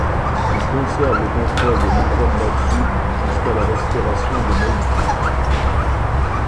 Ils conservent le contrôle de Nihonmatsu jusqu'à la restauration de Meiji.